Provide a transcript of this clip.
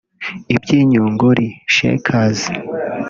Ibyinyuguri (Shakers)